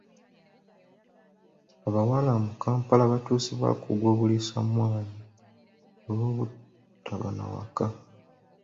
Abawala mu Kampala baatuusibwako ogw'obuliisamaanyi olw'obutaba na waka.